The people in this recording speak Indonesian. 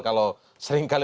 kalau sering kali berkata